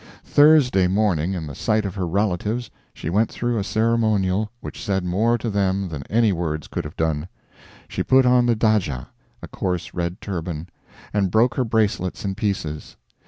Thursday morning, in the sight of her relatives, she went through a ceremonial which said more to them than any words could have done; she put on the dhaja (a coarse red turban) and broke her bracelets in pieces.